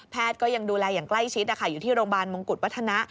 ก็ยังดูแลอย่างใกล้ชิดอยู่ที่โรงพยาบาลมงกุฎวัฒนะ